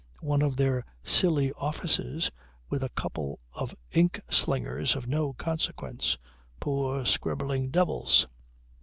One of their silly offices with a couple of ink slingers of no consequence; poor, scribbling devils."